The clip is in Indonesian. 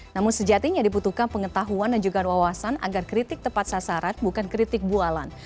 namun sejatinya diputuhkan pengetahuan dan juga wawasan agar kritik tepat sasaran bukan kritik bualan